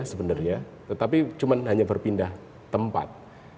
sebenarnya tetapi cuma hanya berpindah tempat